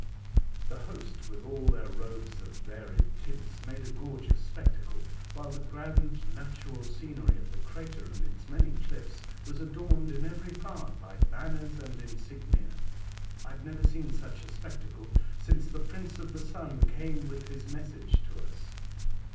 The host, with all their robes of varied tints, made a gorgeous spectacle, while the grand natural scenery of the crater and its many cliffs was adorned in every part by banners and insignia. I had never seen such a spectacle since the Prince of the Sun Earth as Others see it. 83 came with his message to ns.